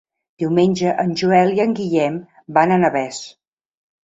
Diumenge en Joel i en Guillem van a Navès.